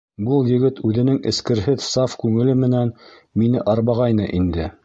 Был егет үҙенең эскерһеҙ саф күңеле менән мине арбағайны инде.